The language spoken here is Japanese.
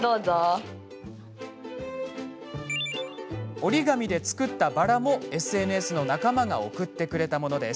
折り紙で作ったバラもＳＮＳの仲間が送ってくれたものです。